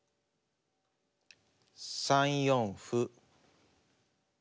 ３四歩。